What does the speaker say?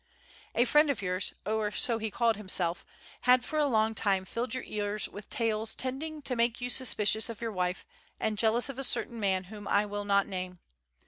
"A friend of yours, or so he called himself, had for a long time filled your ears with tales tending to make you suspicious of your wife and jealous of a certain man whom I will not name.